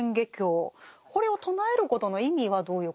これを唱えることの意味はどういうことなんでしょうか？